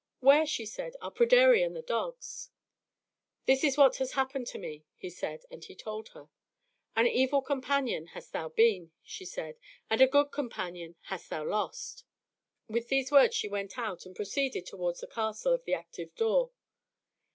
"Where," she said, "are Pryderi and the dogs?" "This is what has happened to me," he said; and he told her. "An evil companion hast thou been," she said, "and a good companion hast thou lost." With these words she went out and proceeded towards the Castle of the Active Door.